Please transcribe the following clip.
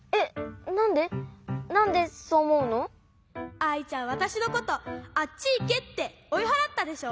アイちゃんわたしのことあっちいけっておいはらったでしょ？